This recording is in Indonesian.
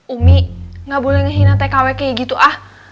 umi gak boleh ngehina tkw kayak gitu ah